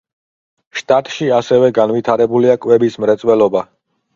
შტატში ასევე განვითარებულია კვების მრეწველობა.